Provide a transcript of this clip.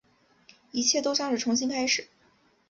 一切都像是重新开始